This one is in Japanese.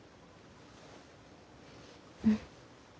うん。